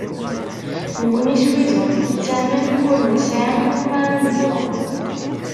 Nekni s wid ur nettamen, ur nesɛi iwumi ara nedɛu.